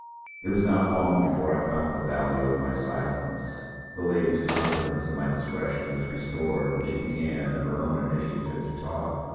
It was not long before I found the value of my silence. The lady's confidence in my discretion was restored, and she began, of her own initiative, to talk.